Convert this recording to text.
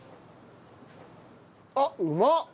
あっうまっ！